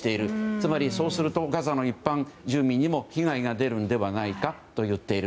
つまり、そうするとガザの一般住民にも被害が出るのではないかと言っている。